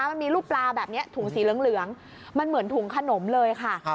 มันมีรูปปลาแบบนี้ถุงสีเหลืองมันเหมือนถุงขนมเลยค่ะ